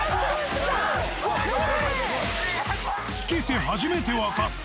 つけて初めて分かった。